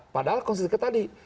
padahal konstitusi tadi